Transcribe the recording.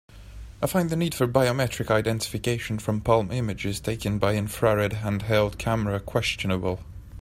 I find the need for biometric identification from palm images taken by infrared handheld camera questionable.